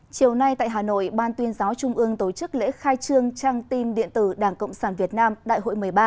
chiều nay tại hà nội ban tuyên giáo trung ương tổ chức lễ khai trương trang tin điện tử đảng cộng sản việt nam đại hội một mươi ba